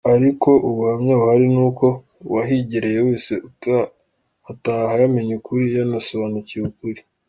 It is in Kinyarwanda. Ariko ubuhamya buhari ni ko uwahigereye wese ataha yamenye ukuri , yanasobanukiwe ukuri.